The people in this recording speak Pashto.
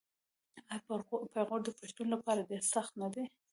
آیا پېغور د پښتون لپاره ډیر سخت نه دی؟